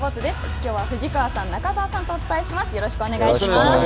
きょうは藤川さん、中澤さんとお伝えします。